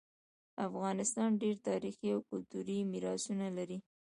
افغانستان ډیر تاریخي او کلتوری میراثونه لري